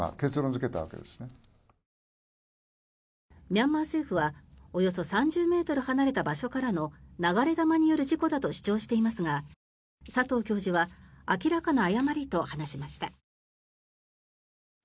ミャンマー政府はおよそ３０ｍ離れた場所からの流れ弾による事故だと主張していますが佐藤教授は明らかな誤りと話しました。